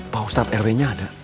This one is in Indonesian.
pak ustadz rw nya ada